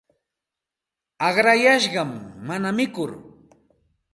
Aqrayashqa mana mikur.